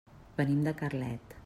Venim de Carlet.